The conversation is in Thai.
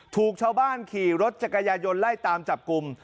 ถูกชาวบ้านขี่รถจักรยายนไล่ตามจับกลุ่ม